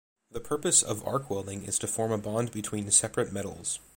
The purpose of arc welding is to form a bond between separate metals.